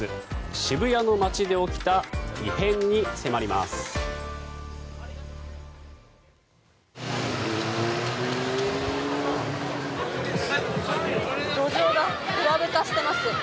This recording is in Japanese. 渋谷の街で起きた異変に迫ります。